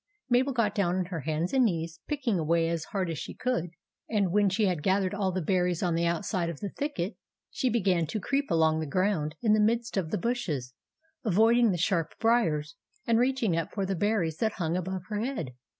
Mabel got down on her hands and knees, picking away as hard as she could; and 182 THE ADVENTURES OF MABEL when she had gathered all the berries on the outside of the thicket, she began to creep along the ground into the midst of the bushes, avoiding the sharp briars, and reaching up for the berries that hung above her head.